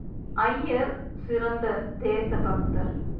ஐயர் சிறந்த தேசபக்தர்.